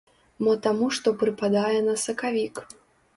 Мо таму што прыпадае на сакавік.